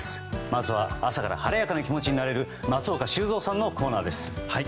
まずは朝から晴れやかな気持ちになれる松岡修造さんのコーナーです。